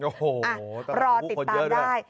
โอ้โหตลาดนกฮูกคนเยอะด้วย